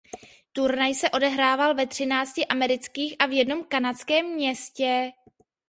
Turnaj se odehrával ve třinácti amerických a v jednom kanadském městě.